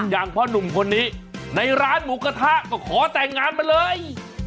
อย่างพ่อนุ่มคนนี้ในร้านหมูกระทะก็ขอแต่งงานมาเลย